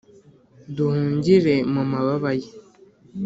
Duhungire mu mababa ye.